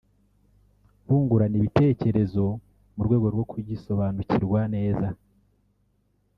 bungurana ibitekerezo mu rwego rwo kugisobanukirwa neza